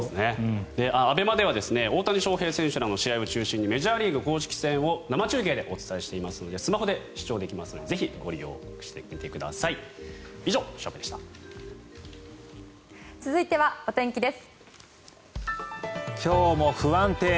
ＡＢＥＭＡでは大谷翔平選手らの試合を中心にメジャーリーグ公式戦を生中継でお伝えしていますのでスマホで視聴できますのでお天気、片岡さんです。